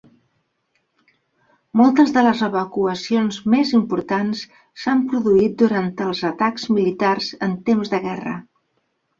Moltes de les evacuacions més importants s'han produït durant els atacs militars en temps de guerra.